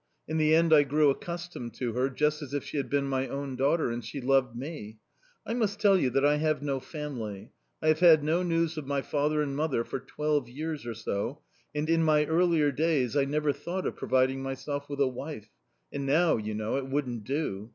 In the end I grew accustomed to her just as if she had been my own daughter, and she loved me. I must tell you that I have no family. I have had no news of my father and mother for twelve years or so, and, in my earlier days, I never thought of providing myself with a wife and now, you know, it wouldn't do.